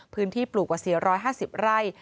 พื้นที่ปลูกว่า๔๕๐ไร่